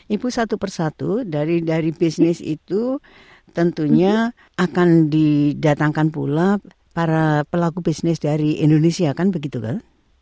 ibu satu persatu dari bisnis itu tentunya akan didatangkan pula para pelaku bisnis dari indonesia kan begitu kan